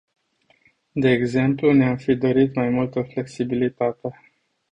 De exemplu, ne-am fi dorit mai multă flexibilitate.